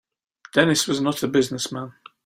Dennis was not a business man.